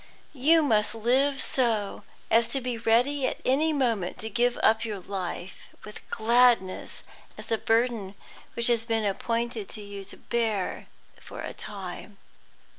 You must live so as to be ready at any moment to give up your life with gladness, as a burden which it has been appointed you to bear for a time.